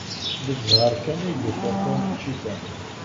D zzheṛ kan ay d-ufiɣ taneččit-a.